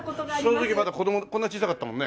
その時まだ子供こんな小さかったもんね。